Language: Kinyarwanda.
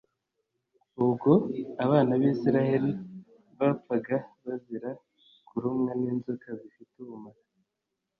Ubwo abana b’Isiraheli bapfaga bazira kurumwa n’inzoka zifite ubumara